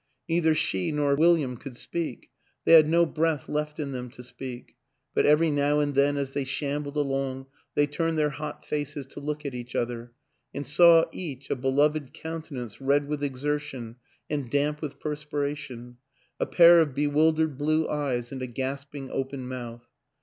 Neither she nor William could speak they had no breath left in them to speak; but every now and then as they shambled along they turned their hot faces to look at each other and saw, each, a beloved countenance red with exertion and damp with perspiration, a pair of bewildered blue eyes and a gasping open mouth.